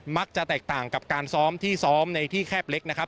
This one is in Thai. มักจะแตกต่างกับการซ้อมที่ซ้อมในที่แคบเล็กนะครับ